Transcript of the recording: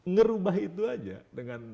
ngerubah itu aja dengan